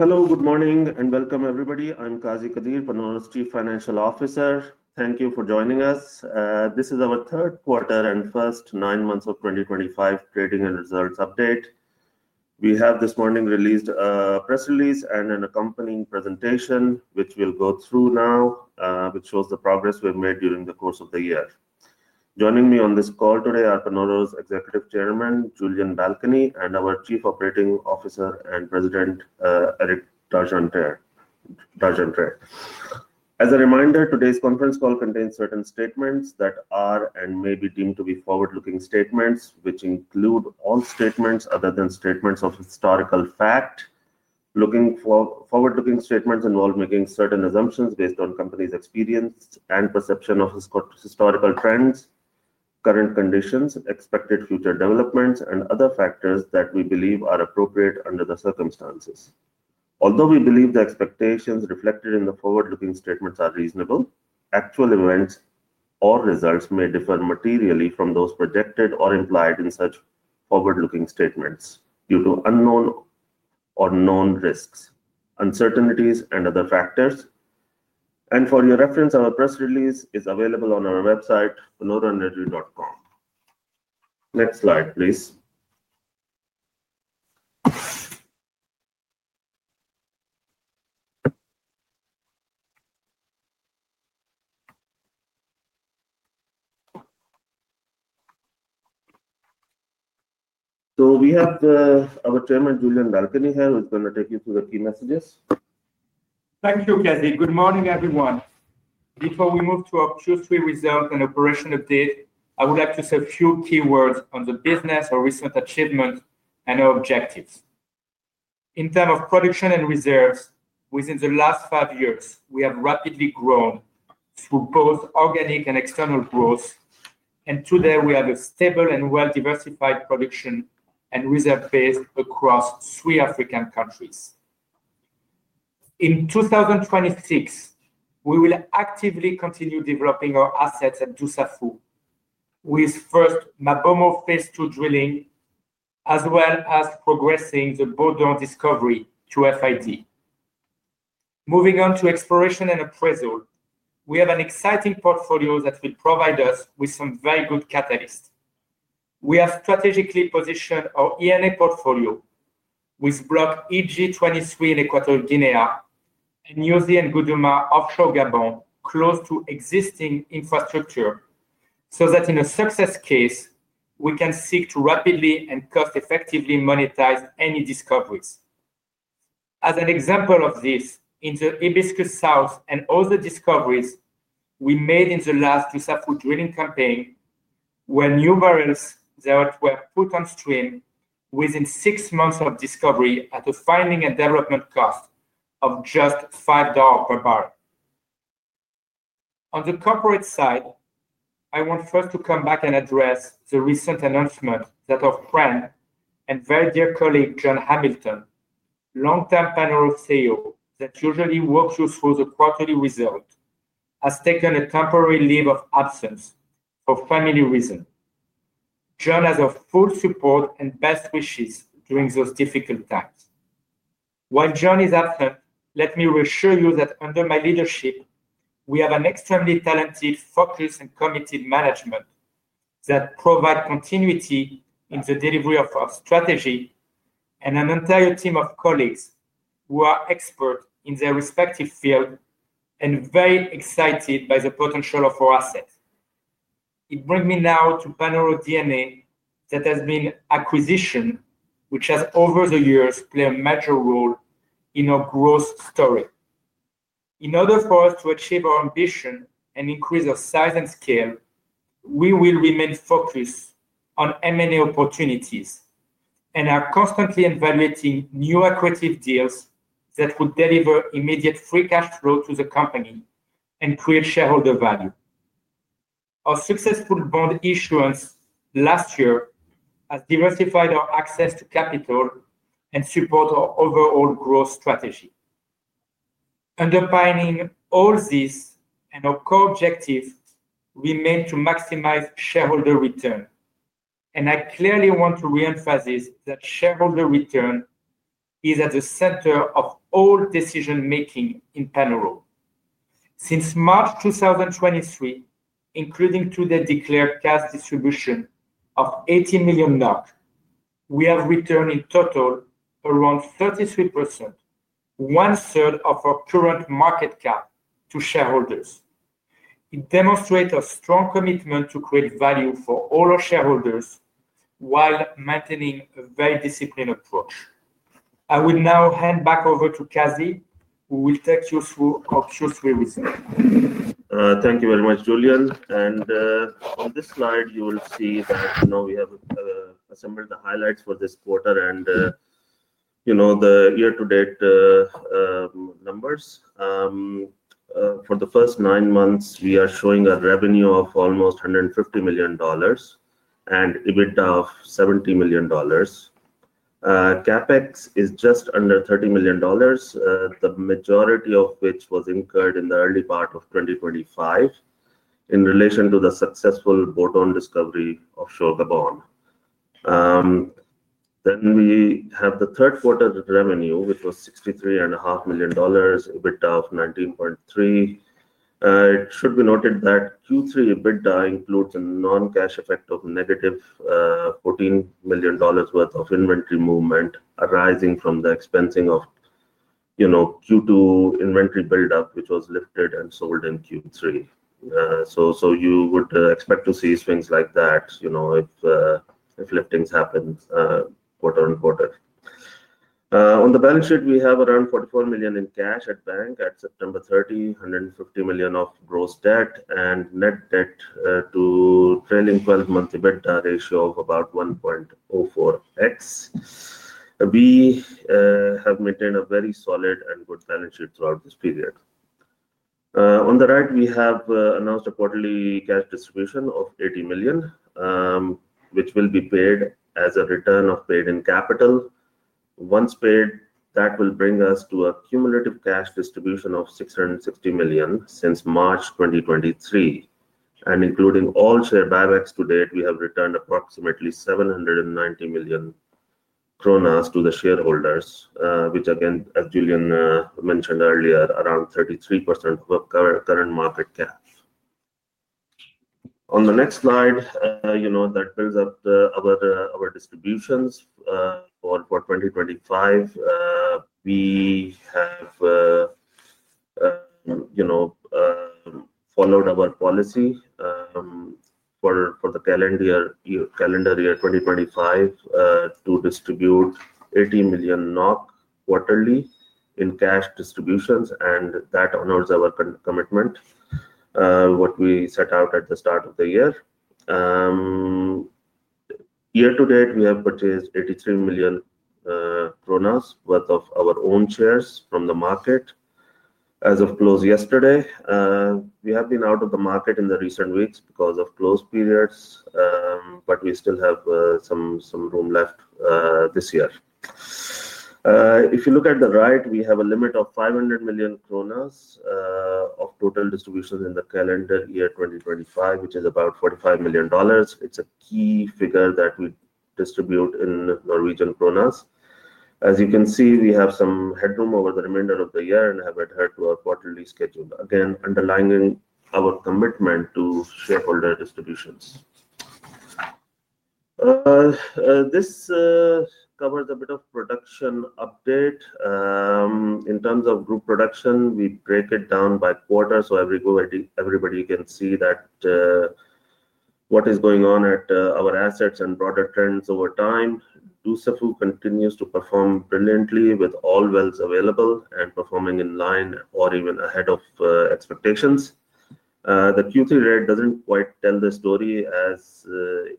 Hello, good morning, and welcome, everybody. I'm Qazi Qadeer, Panoro Energy's Chief Financial Officer. Thank you for joining us. This is our third quarter and first nine months of 2025 trading and results update. We have this morning released a press release and an accompanying presentation, which we'll go through now, which shows the progress we've made during the course of the year. Joining me on this call today are Panoro's Executive Chairman, Julien Balkany, and our Chief Operating Officer and President, Eric D'Argentré. As a reminder, today's conference call contains certain statements that are and may be deemed to be forward-looking statements, which include all statements other than statements of historical fact. Forward-looking statements involve making certain assumptions based on companies' experience and perception of historical trends, current conditions, expected future developments, and other factors that we believe are appropriate under the circumstances. Although we believe the expectations reflected in the forward-looking statements are reasonable, actual events or results may differ materially from those projected or implied in such forward-looking statements due to unknown or known risks, uncertainties, and other factors. For your reference, our press release is available on our website, panoroenergy.com. Next slide, please. We have our Chairman, Julien Balkany, here, who's going to take you through the key messages. Thank you, Qazi. Good morning, everyone. Before we move to our Q3 results and operation update, I would like to say a few key words on the business, our recent achievements, and our objectives. In terms of production and reserves, within the last five years, we have rapidly grown through both organic and external growth, and today we have a stable and well-diversified production and reserve base across three African countries. In 2026, we will actively continue developing our assets at Dusafu, with first MaBoMo phase II drilling, as well as progressing the Bourdon discovery to FID. Moving on to exploration and appraisal, we have an exciting portfolio that will provide us with some very good catalysts. We have strategically positioned our ENA portfolio with Block EG-23 in Equatorial Guinea and New Zealand, Guduma, offshore Gabon, close to existing infrastructure, so that in a success case, we can seek to rapidly and cost-effectively monetize any discoveries. As an example of this, in the Hibiscus South and all the discoveries we made in the last Dussafu drilling campaign, where new barrels that were put on stream within six months of discovery at a finding and development cost of just $5 per barrel. On the corporate side, I want first to come back and address the recent announcement that our friend and very dear colleague, John Hamilton, long-time Panoro CEO that usually works you through the quarterly result, has taken a temporary leave of absence for family reasons. John has our full support and best wishes during those difficult times. While John is absent, let me reassure you that under my leadership, we have an extremely talented, focused, and committed management that provides continuity in the delivery of our strategy and an entire team of colleagues who are experts in their respective fields and very excited by the potential of our assets. It brings me now to Panoro DNA that has been acquisition, which has over the years played a major role in our growth story. In order for us to achieve our ambition and increase our size and scale, we will remain focused on M&A opportunities and are constantly evaluating new equity deals that would deliver immediate free cash flow to the company and create shareholder value. Our successful bond issuance last year has diversified our access to capital and supports our overall growth strategy. Underpinning all this and our core objective, we aim to maximize shareholder return. I clearly want to reemphasize that shareholder return is at the center of all decision-making in Panoro. Since March 2023, including today's declared cash distribution of 80 million NOK, we have returned in total around 33%, one-third of our current market cap, to shareholders. It demonstrates our strong commitment to create value for all our shareholders while maintaining a very disciplined approach. I will now hand back over to Qazi, who will take you through our Q3 result. Thank you very much, Julian. On this slide, you will see that we have assembled the highlights for this quarter and the year-to-date numbers. For the first nine months, we are showing a revenue of almost $150 million and EBITDA of $70 million. CapEx is just under $30 million, the majority of which was incurred in the early part of 2025 in relation to the successful Bourdon discovery offshore Gabon. We have the third quarter revenue, which was $63.5 million, EBITDA of $19.3 million. It should be noted that Q3 EBITDA includes a non-cash effect of -$14 million worth of inventory movement arising from the expensing of Q2 inventory buildup, which was lifted and sold in Q3. You would expect to see swings like that if liftings happen quarter-on-quarter. On the balance sheet, we have around $44 million in cash at bank at September 30, $150 million of gross debt, and net debt to trailing 12-month EBITDA ratio of about 1.04x. We have maintained a very solid and good balance sheet throughout this period. On the right, we have announced a quarterly cash distribution of $80 million, which will be paid as a return of paid-in capital. Once paid, that will bring us to a cumulative cash distribution of $660 million since March 2023. Including all share buybacks to date, we have returned approximately 790 million kroner to the shareholders, which, again, as Julian mentioned earlier, is around 33% of current market cap. On the next slide, that builds up our distributions for 2025. We have followed our policy for the calendar year 2025 to distribute 80 million NOK quarterly in cash distributions, and that honors our commitment, what we set out at the start of the year. Year-to-date, we have purchased 83 million kroner worth of our own shares from the market as of close yesterday. We have been out of the market in the recent weeks because of close periods, but we still have some room left this year. If you look at the right, we have a limit of 500 million kroner of total distributions in the calendar year 2025, which is about $45 million. It is a key figure that we distribute in Norwegian bonus. As you can see, we have some headroom over the remainder of the year and have adhered to our quarterly schedule, again, underlining our commitment to shareholder distributions. This covers a bit of production update. In terms of group production, we break it down by quarter so everybody can see what is going on at our assets and broader trends over time. Dussafu continues to perform brilliantly with all wells available and performing in line or even ahead of expectations. The Q3 rate does not quite tell the story as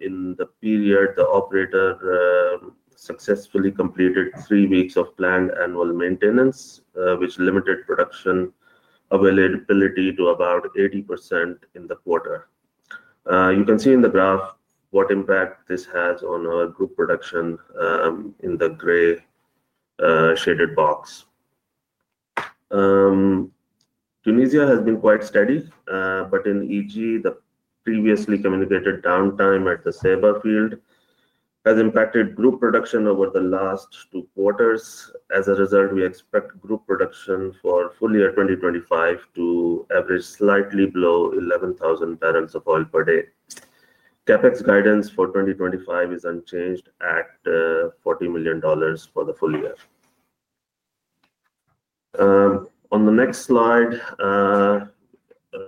in the period the operator successfully completed three weeks of planned annual maintenance, which limited production availability to about 80% in the quarter. You can see in the graph what impact this has on our group production in the gray shaded box. Tunisia has been quite steady, but in EG, the previously communicated downtime at the SEBA field has impacted group production over the last two quarters. As a result, we expect group production for full year 2025 to average slightly below 11,000 barrels of oil per day. CapEx guidance for 2025 is unchanged at $40 million for the full year. On the next slide,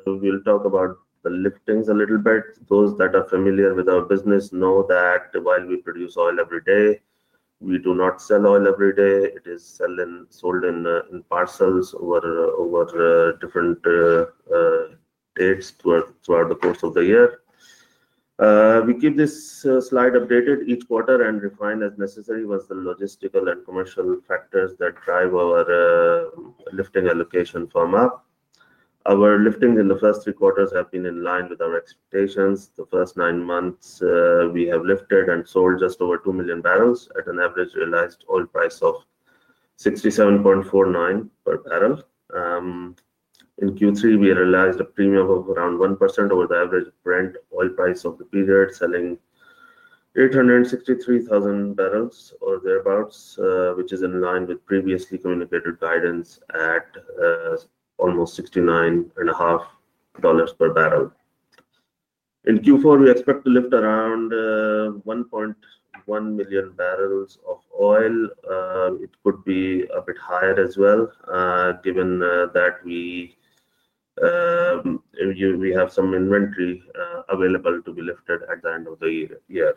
we'll talk about the liftings a little bit. Those that are familiar with our business know that while we produce oil every day, we do not sell oil every day. It is sold in parcels over different dates throughout the course of the year. We keep this slide updated each quarter and refine as necessary what the logistical and commercial factors that drive our lifting allocation firm up. Our liftings in the first three quarters have been in line with our expectations. The first nine months, we have lifted and sold just over 2 million barrels at an average realized oil price of $67.49 per barrel. In Q3, we realized a premium of around 1% over the average Brent oil price of the period, selling 863,000 barrels or thereabouts, which is in line with previously communicated guidance at almost $69.5 per barrel. In Q4, we expect to lift around 1.1 million barrels of oil. It could be a bit higher as well, given that we have some inventory available to be lifted at the end of the year.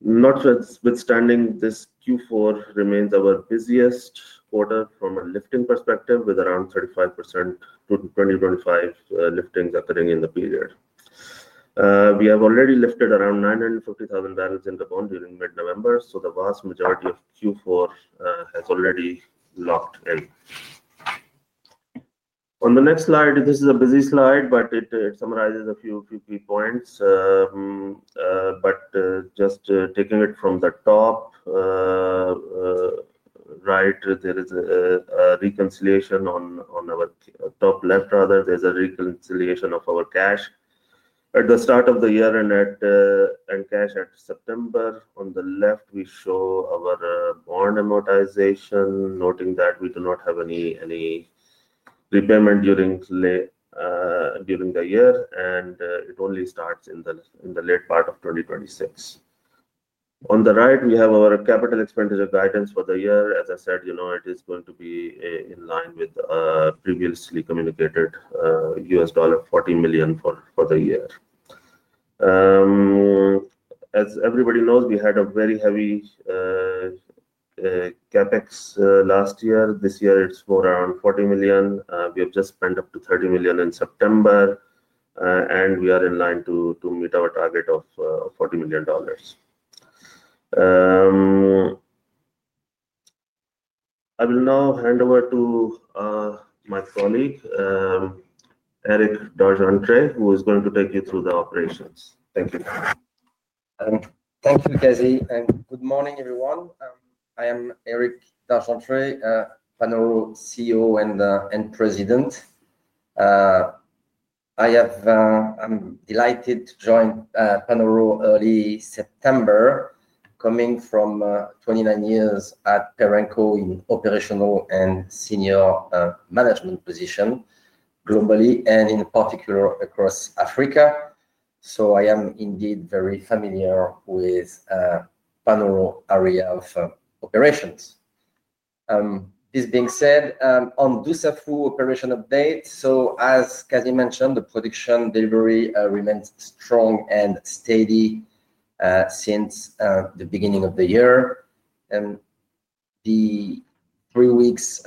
Notwithstanding, this Q4 remains our busiest quarter from a lifting perspective, with around 35% to 2025 liftings occurring in the period. We have already lifted around 950,000 barrels in Gabon during mid-November, so the vast majority of Q4 has already locked in. On the next slide, this is a busy slide, but it summarizes a few key points. Just taking it from the top right, there is a reconciliation on our top left, rather, there is a reconciliation of our cash at the start of the year and cash at September. On the left, we show our bond amortization, noting that we do not have any repayment during the year, and it only starts in the late part of 2026. On the right, we have our capital expenditure guidance for the year. As I said, it is going to be in line with previously communicated $40 million for the year. As everybody knows, we had a very heavy CapEx last year. This year, it is more around $40 million. We have just spent up to $30 million in September, and we are in line to meet our target of $40 million. I will now hand over to my colleague, Eric D'Argentré, who is going to take you through the operations. Thank you. Thank you, Qazi. Good morning, everyone. I am Eric D'Argentré, Panoro CEO and President. I am delighted to join Panoro early September, coming from 29 years at Perenco in operational and senior management position globally and in particular across Africa. I am indeed very familiar with the Panoro area of operations. This being said, on Dussafu operation update, as Qazi mentioned, the production delivery remains strong and steady since the beginning of the year. The three-weeks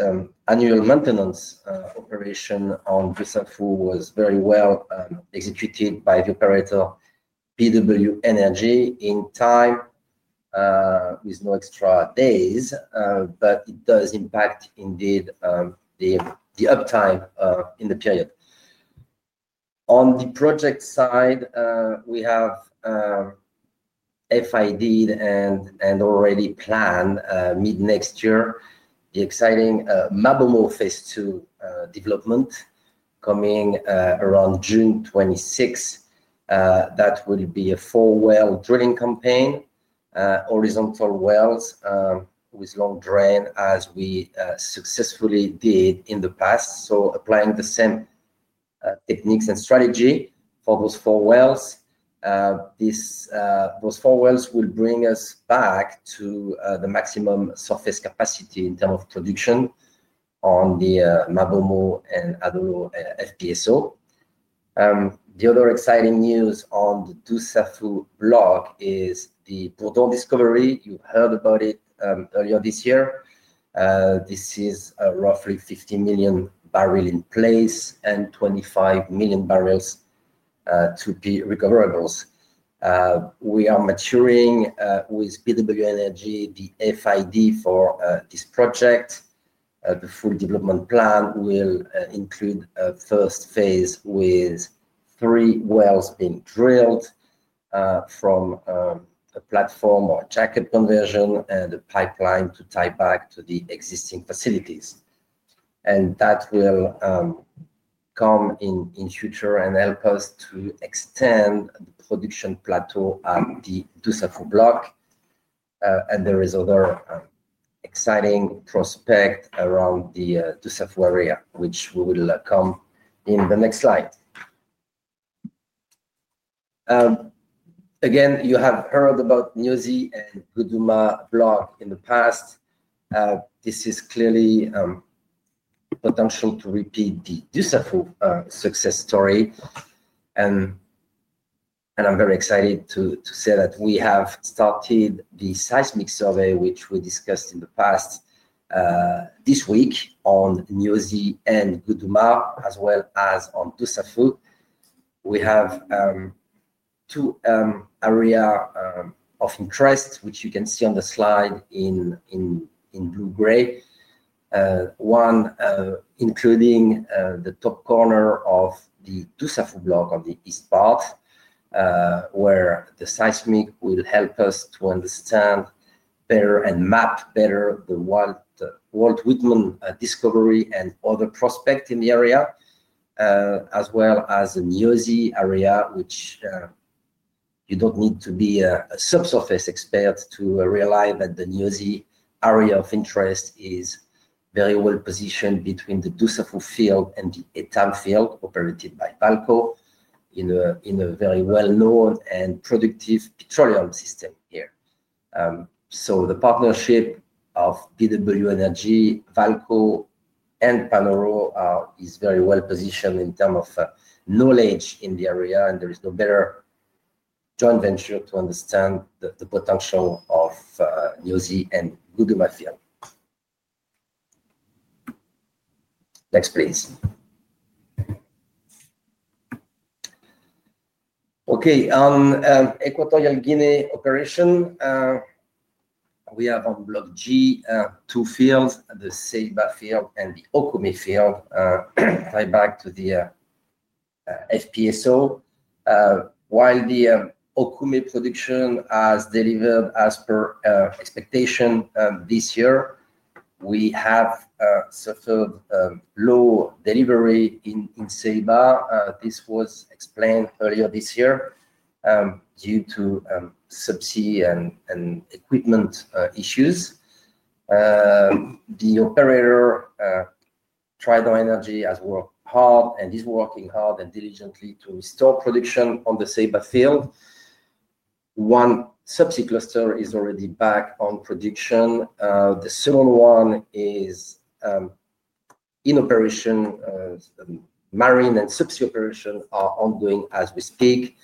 annual maintenance operation on Dussafu was very well executed by the operator, PW Energy, in time, with no extra days, but it does impact indeed the uptime in the period. On the project side, we have FID and already planned mid-next year the exciting MaBoMo Phase II development coming around June 26. That will be a four-well drilling campaign, horizontal wells with long drain, as we successfully did in the past. Applying the same techniques and strategy for those four wells, those four wells will bring us back to the maximum surface capacity in terms of production on the MaBoMo and Adolo FPSO. The other exciting news on the Dussafu block is the Bourdon discovery. You've heard about it earlier this year. This is roughly 50 million barrels in place and 25 million barrels to be recoverables. We are maturing with PW Energy the FID for this project. The full development plan will include a first phase with three wells being drilled from a platform or jacket conversion and a pipeline to tie back to the existing facilities. That will come in future and help us to extend the production plateau at the Dussafu block. There is other exciting prospect around the Dussafu area, which we will come to in the next slide. Again, you have heard about Niosi and Guduma blocks in the past. This is clearly potential to repeat the Dussafu success story. I am very excited to say that we have started the seismic survey, which we discussed in the past this week on Niosi and Guduma, as well as on Dussafu. We have two areas of interest, which you can see on the slide in blue-gray. One including the top corner of the Dussafu block on the east part, where the seismic will help us to understand better and map better the Walt Whitman discovery and other prospects in the area, as well as the Niosi area, which you do not need to be a subsurface expert to realize that the Niosi area of interest is very well positioned between the Dussafu field and the Etame field operated by VAALCO in a very well-known and productive petroleum system here. The partnership of PW Energy, VAALCO, and Panoro is very well positioned in terms of knowledge in the area, and there is no better joint venture to understand the potential of Niosi and Guduma field. Next, please. Okay. On Equatorial Guinea operation, we have on Block G two fields, the Ceiba field and the Okume field, tied back to the FPSO. While the Okume production has delivered as per expectation this year, we have suffered low delivery in Ceiba. This was explained earlier this year due to subsea and equipment issues. The operator, Trident Energy, has worked hard and is working hard and diligently to restore production on the Ceiba field. One subsea cluster is already back on production. The second one is in operation. Marine and subsea operations are ongoing as we speak.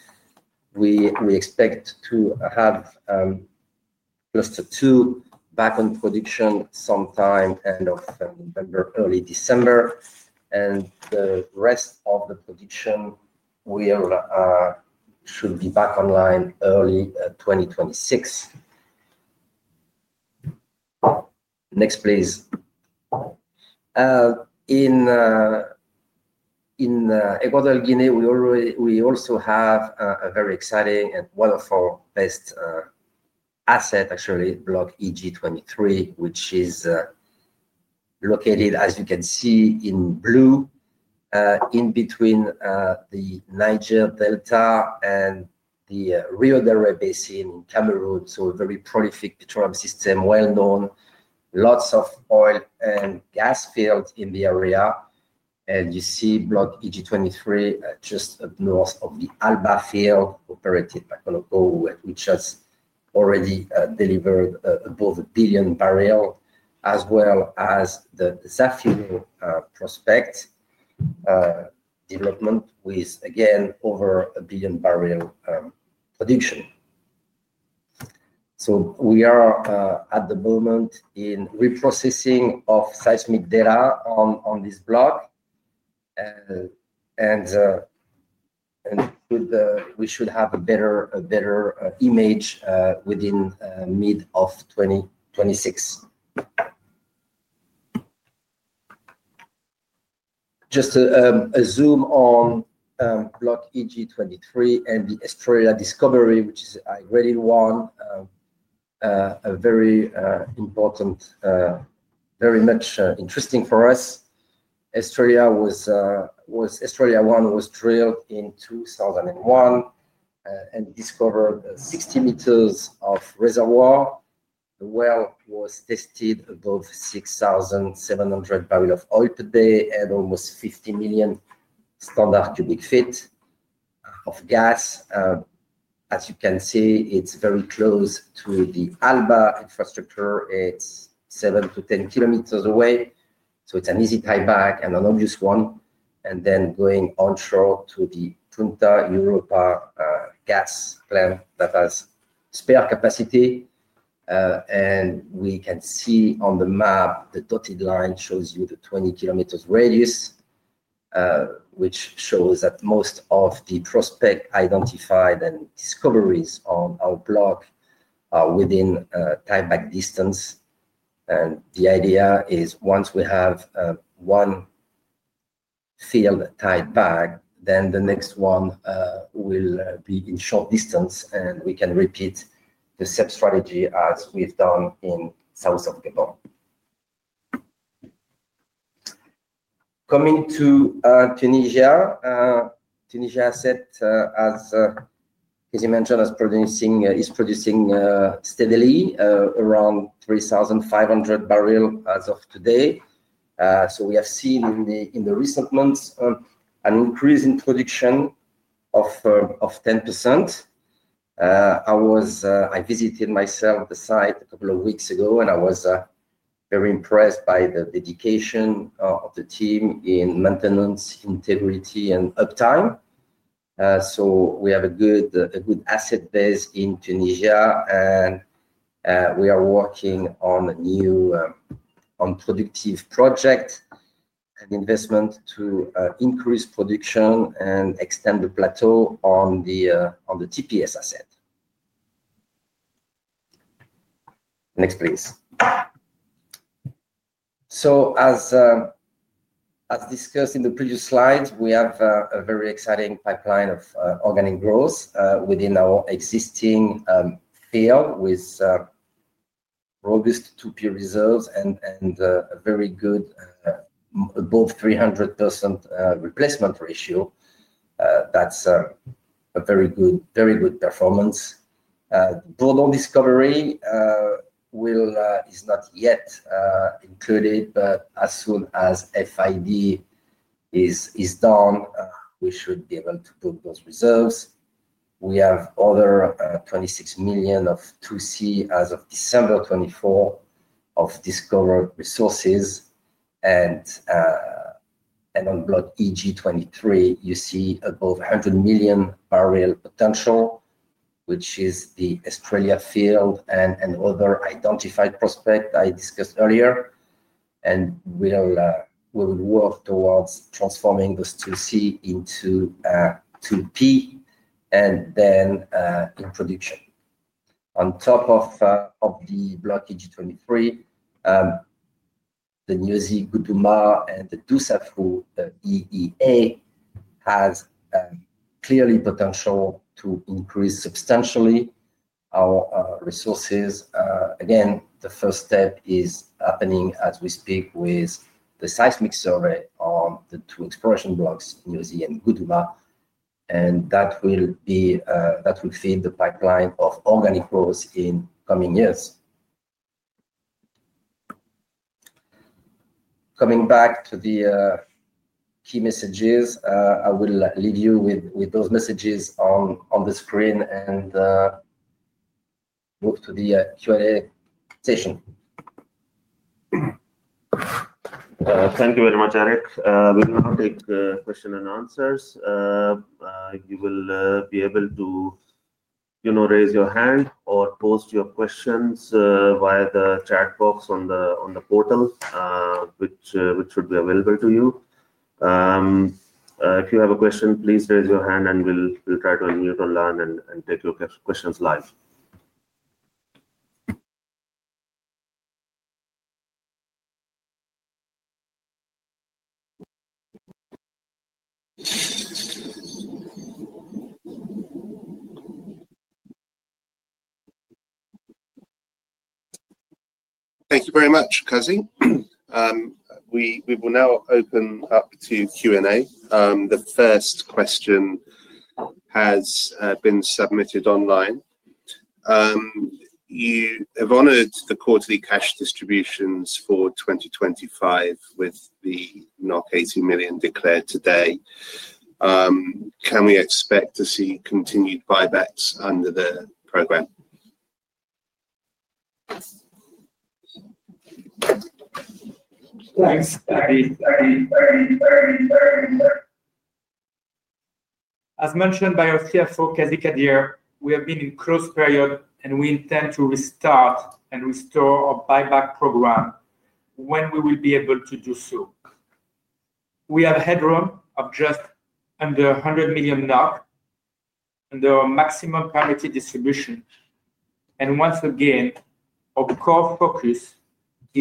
We expect to have cluster two back on production sometime end of November, early December. The rest of the production should be back online early 2026. Next, please. In Equatorial Guinea, we also have a very exciting and one of our best assets, actually, block EG-23, which is located, as you can see in blue, in between the Niger Delta and the Rio del Rey Basin in Cameroon. A very prolific petroleum system, well-known, lots of oil and gas fields in the area. You see block EG-23 just up north of the Alba field operated by Chevron, which has already delivered above a billion barrels, as well as the Zafiro prospect development with, again, over a billion barrel production. We are at the moment in reprocessing of seismic data on this block, and we should have a better image within mid of 2026. Just a zoom on block EG-23 and the Australia discovery, which is a great one, a very important, very much interesting for us. Australia 1 was drilled in 2001 and discovered 60 ms of reservoir. The well was tested above 6,700 barrels of oil per day and almost 50 million standard ft³ of gas. As you can see, it's very close to the Alba infrastructure. It's 7km -10 km away. It is an easy tieback and an obvious one. Going onshore to the Punta Europa gas plant that has spare capacity. We can see on the map, the dotted line shows you the 20 km radius, which shows that most of the prospect identified and discoveries on our block are within tieback distance. The idea is once we have one field tie back, the next one will be in short distance, and we can repeat the same strategy as we have done in south of Gabon. Coming to Tunisia, Tunisia, as Qazi mentioned, is producing steadily around 3,500 barrels as of today. We have seen in the recent months an increase in production of 10%. I visited myself the site a couple of weeks ago, and I was very impressed by the dedication of the team in maintenance, integrity, and uptime. We have a good asset base in Tunisia, and we are working on a new productive project and investment to increase production and extend the plateau on the TPS asset. Next, please. As discussed in the previous slides, we have a very exciting pipeline of organic growth within our existing field with robust 2P reserves and a very good above 300% replacement ratio. That's a very good performance. Bourdon discovery is not yet included, but as soon as FID is done, we should be able to put those reserves. We have other 26 million of 2C as of December 2024 of discovered resources. On block EG-23, you see above 100 million barrel potential, which is the Australia field and other identified prospect I discussed earlier. We will work towards transforming those 2C into 2P and then in production. On top of the block EG-23, the Niosi, Guduma and the Dussafu EEA has clearly potential to increase substantially our resources. Again, the first step is happening as we speak with the seismic survey on the two exploration blocks, Niosi and Guduma. That will feed the pipeline of organic growth in coming years. Coming back to the key messages, I will leave you with those messages on the screen and move to the Q&A session. Thank you very much, Eric. We will now take questions and answers. You will be able to raise your hand or post your questions via the chat box on the portal, which should be available to you. If you have a question, please raise your hand, and we'll try to unmute and learn and take your questions live. Thank you very much, Qazi. We will now open up to Q&A. The first question has been submitted online. You have honored the quarterly cash distributions for 2025 with the 80 million declared today. Can we expect to see continued buybacks under the program? Thanks. As mentioned by our CFO, Qazi Qadeer, we have been in a crisis period, and we intend to restart and restore our buyback program when we will be able to do so. We have a headroom of just under 100 million NOK under maximum priority distribution. Once again, our core focus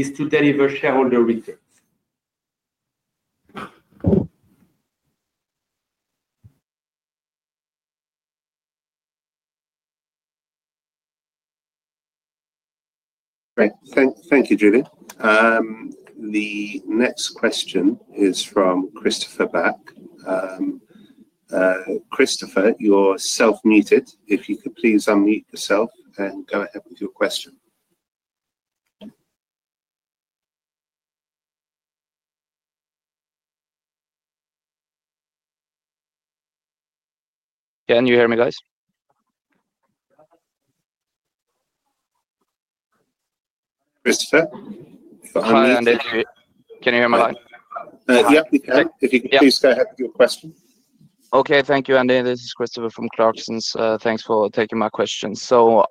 is to deliver shareholder returns. Great. Thank you, Julie. The next question is from Christopher Beck. Christopher, you're self-muted. If you could please unmute yourself and go ahead with your question. Can you hear me, guys? Christopher. Hi, Andy. Can you hear my line? Yeah, we can. If you could please go ahead with your question. Okay. Thank you, Andy. This is Christopher from Clarksons. Thanks for taking my question.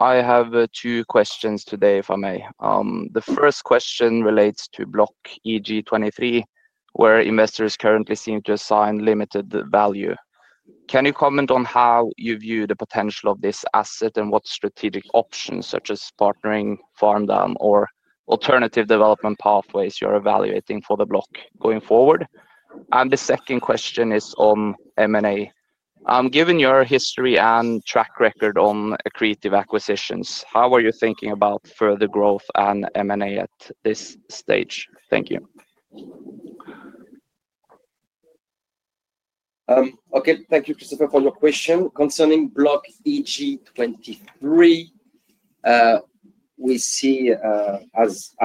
I have two questions today, if I may. The first question relates to block EG-23, where investors currently seem to assign limited value. Can you comment on how you view the potential of this asset and what strategic options, such as partnering, farm-down, or alternative development pathways, you're evaluating for the block going forward? The second question is on M&A. Given your history and track record on accretive acquisitions, how are you thinking about further growth and M&A at this stage? Thank you. Okay. Thank you, Christopher, for your question. Concerning block EG-23, we see, as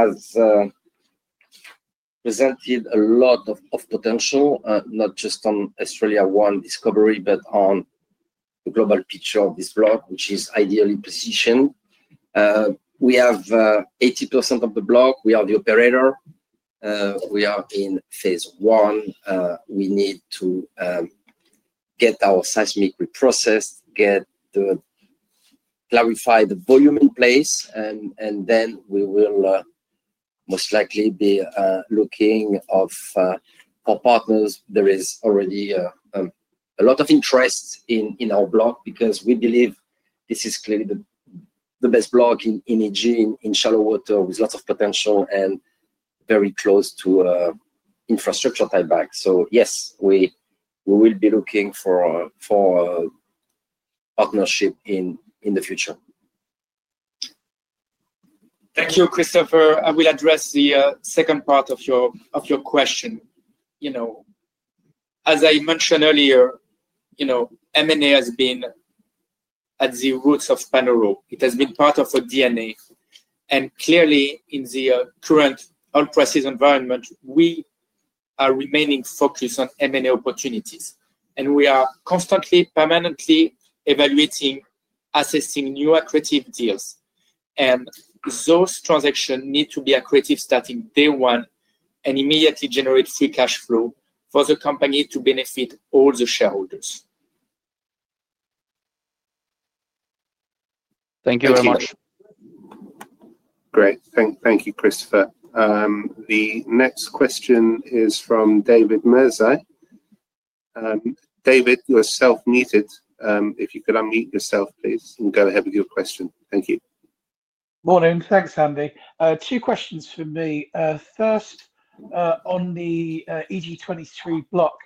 presented, a lot of potential, not just on Australia 1 discovery, but on the global picture of this block, which is ideally positioned. We have 80% of the block. We are the operator. We are in phase I. We need to get our seismic reprocessed, get the clarified volume in place, and then we will most likely be looking for partners. There is already a lot of interest in our block because we believe this is clearly the best block in EG in shallow water with lots of potential and very close to infrastructure tie back. Yes, we will be looking for partnership in the future. Thank you, Christopher. I will address the second part of your question. As I mentioned earlier, M&A has been at the roots of Panoro. It has been part of our DNA. Clearly, in the current unprecedented environment, we are remaining focused on M&A opportunities. We are constantly, permanently evaluating, assessing new accretive deals. Those transactions need to be accretive starting day one and immediately generate free cash flow for the company to benefit all the shareholders. Thank you very much. Great. Thank you, Christopher. The next question is from David Metz. David, you're self-muted. If you could unmute yourself, please, and go ahead with your question. Thank you. Morning. Thanks, Andy. Two questions for me. First, on the EG-23 block.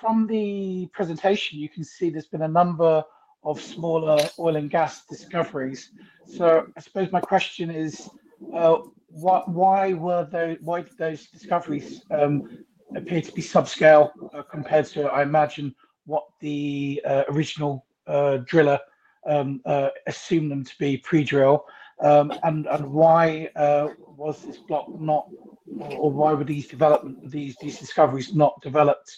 From the presentation, you can see there's been a number of smaller oil and gas discoveries. I suppose my question is, why did those discoveries appear to be subscale compared to, I imagine, what the original driller assumed them to be pre-drill? Why was this block not, or why were these discoveries not developed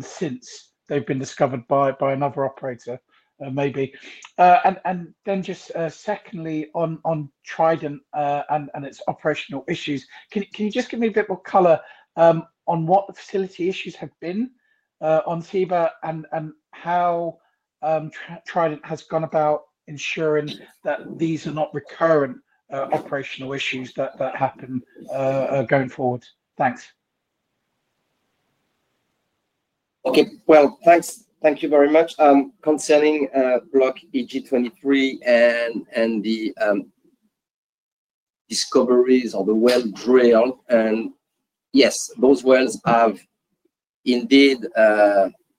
since they've been discovered by another operator, maybe? Secondly, on Trident and its operational issues, can you just give me a bit more color on what the facility issues have been on Ceiba and how Trident has gone about ensuring that these are not recurrent operational issues that happen going forward? Thanks. Okay. Thank you very much. Concerning block EG-23 and the discoveries of the well drilled, yes, those wells have indeed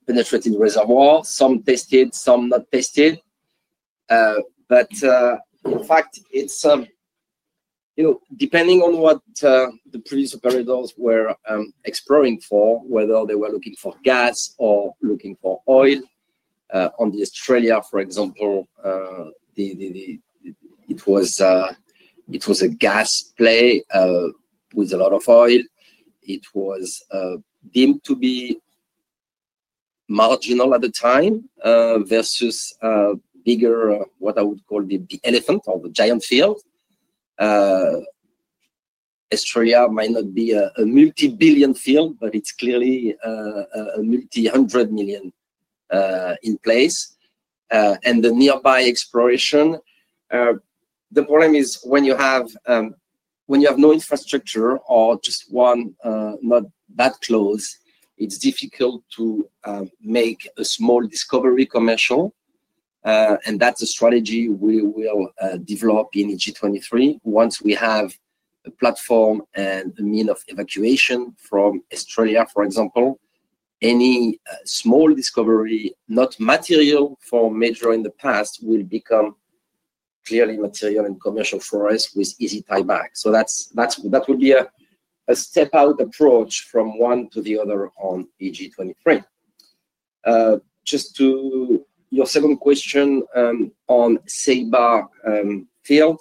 penetrated reservoir, some tested, some not tested. In fact, depending on what the previous operators were exploring for, whether they were looking for gas or looking for oil, on the Australia, for example, it was a gas play with a lot of oil. It was deemed to be marginal at the time versus bigger, what I would call the elephant or the giant field. Australia might not be a multi-billion field, but it is clearly a multi-hundred million in place. The nearby exploration, the problem is when you have no infrastructure or just one not that close, it is difficult to make a small discovery commercial. That is a strategy we will develop in EG-23. Once we have a platform and a means of evacuation from Australia, for example, any small discovery, not material for a major in the past, will become clearly material and commercial for us with easy tie back. That would be a step-out approach from one to the other on EG-23. Just to your second question on Ceiba field,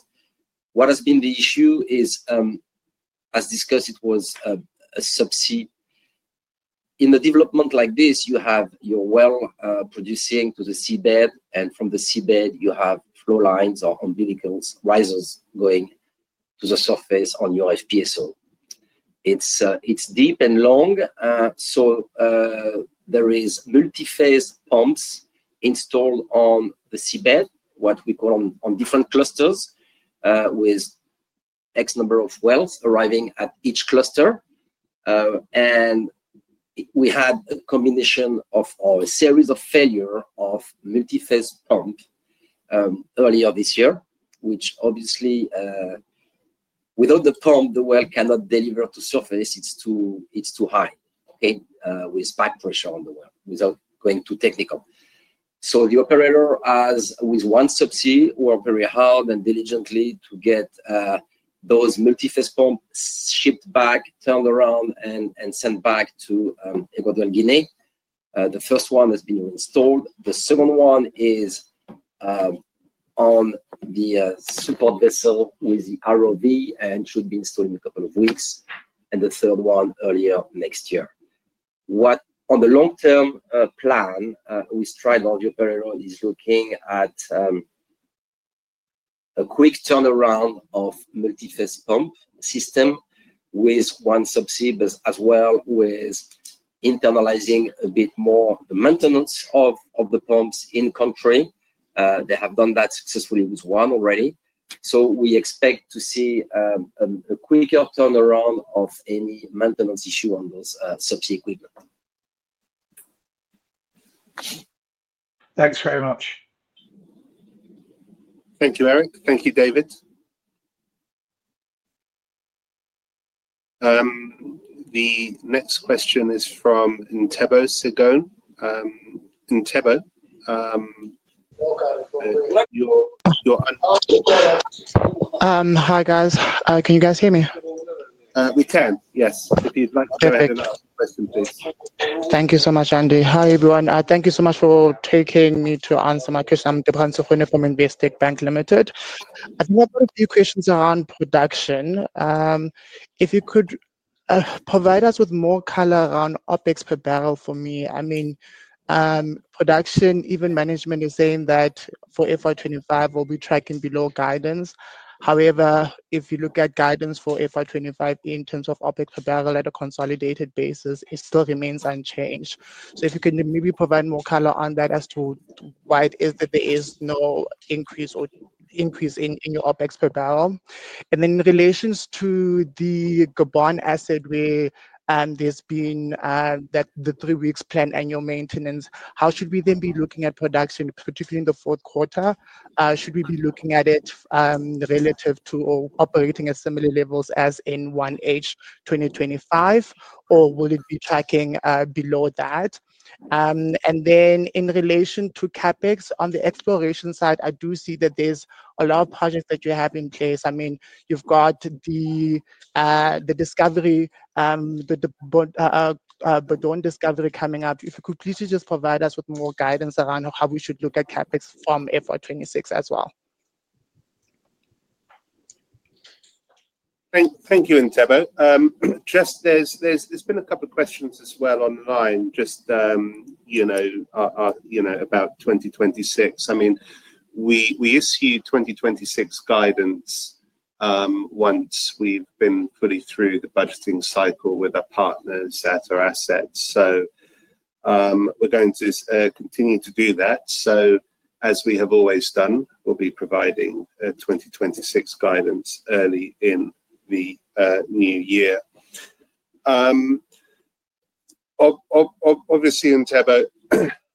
what has been the issue is, as discussed, it was a subsea. In a development like this, you have your well producing to the seabed, and from the seabed, you have flow lines or umbilicals risers going to the surface on your FPSO. It is deep and long. There are multi-phase pumps installed on the seabed, what we call on different clusters, with X number of wells arriving at each cluster. We had a combination of a series of failures of multi-phase pumps earlier this year, which obviously, without the pump, the well cannot deliver to surface. It is too high, okay, with back pressure on the well without going too technical. The operator, with OneSubsea, worked very hard and diligently to get those multi-phase pumps shipped back, turned around, and sent back to Equatorial Guinea. The first one has been installed. The second one is on the support vessel with the ROV and should be installed in a couple of weeks. The third one earlier next year. On the long-term plan, with Trident, the operator is looking at a quick turnaround of multi-phase pump system with OneSubsea as well, with internalizing a bit more maintenance of the pumps in country. They have done that successfully with one already. We expect to see a quicker turnaround of any maintenance issue on those subsea equipment. Thanks very much. Thank you, Eric. Thank you, David. The next question is from Ntebogang Segone. Ntebogang. Hi, guys. Can you guys hear me? We can, yes. If you'd like to add another question, please. Thank you so much, Andy. Hi, everyone. Thank you so much for taking me to answer my question. I'm Ntebogang Segone in Investec Bank Limited. I do have a few questions around production. If you could provide us with more color around OpEx per barrel for me. I mean, production, even management is saying that for 2025, we'll be tracking below guidance. However, if you look at guidance for 2025 in terms of OpEx per barrel at a consolidated basis, it still remains unchanged. If you can maybe provide more color on that as to why it is that there is no increase in your OpEx per barrel. In relation to the Gabon asset where there's been the three-week planned annual maintenance, how should we then be looking at production, particularly in the fourth quarter? Should we be looking at it relative to operating at similar levels as in 1H 2025, or will it be tracking below that? In relation to CapEx, on the exploration side, I do see that there is a lot of projects that you have in place. I mean, you have got the discovery, the Bourdon discovery coming up. If you could please just provide us with more guidance around how we should look at CapEx from FY 2026 as well. Thank you, Ntebo. Just there's been a couple of questions as well online, just about 2026. I mean, we issued 2026 guidance once we've been fully through the budgeting cycle with our partners at our assets. We are going to continue to do that. As we have always done, we'll be providing 2026 guidance early in the new year. Obviously, Ntebo,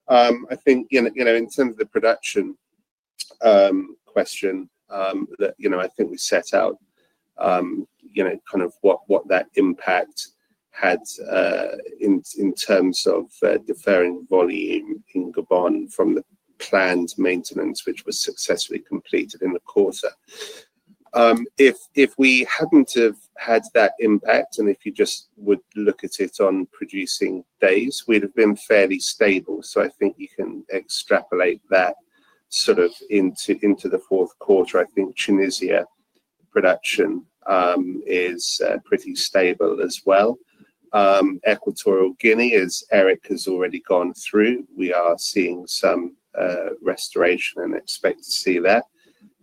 I think in terms of the production question that I think we set out, kind of what that impact had in terms of deferring volume in Gabon from the planned maintenance, which was successfully completed in the quarter. If we hadn't have had that impact, and if you just would look at it on producing days, we'd have been fairly stable. I think you can extrapolate that sort of into the fourth quarter. I think Tunisia production is pretty stable as well. Equatorial Guinea, as Eric has already gone through, we are seeing some restoration and expect to see that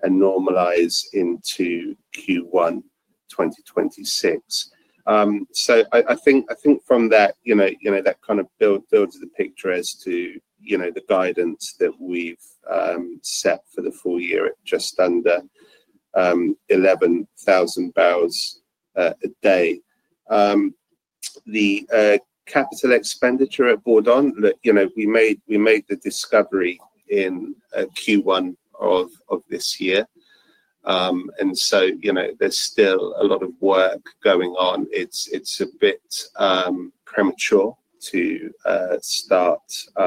normalize into Q1 2026. I think from that, that kind of builds the picture as to the guidance that we've set for the full year at just under 11,000 barrels a day. The capital expenditure at Bourdon, we made the discovery in Q1 of this year. There is still a lot of work going on. It's a bit premature to start sort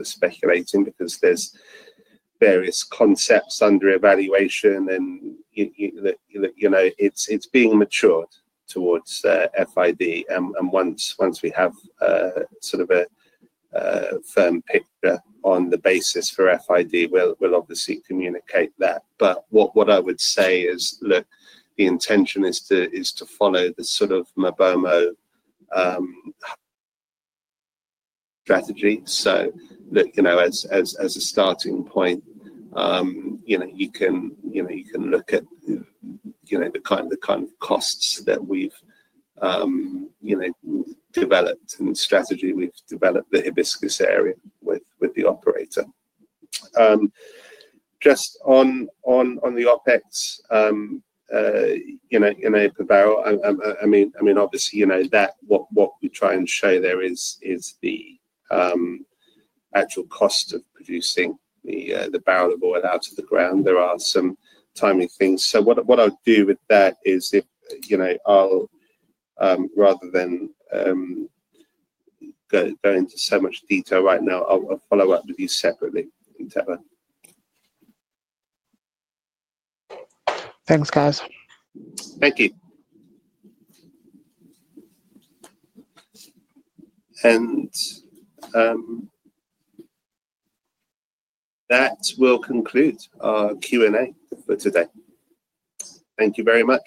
of speculating because there are various concepts under evaluation, and it's being matured towards FID. Once we have sort of a firm picture on the basis for FID, we'll obviously communicate that. What I would say is, look, the intention is to follow the sort of Mabomo strategy. As a starting point, you can look at the kind of costs that we've developed and the strategy we've developed in the Hibiscus area with the operator. Just on the OpEx per barrel, I mean, obviously, what we try and show there is the actual cost of producing the barrel of oil out of the ground. There are some timely things. What I'll do with that is rather than go into so much detail right now, I'll follow up with you separately, Ntebo. Thanks, guys. Thank you. That will conclude our Q&A for today. Thank you very much.